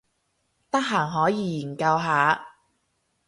得閒可以研究下